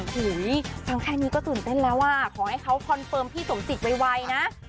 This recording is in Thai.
หูยฟังแค่นี้ก็ตื่นเต้นแล้วอ่ะขอให้เขาคอนเฟิร์มพี่สมจิตไวนะ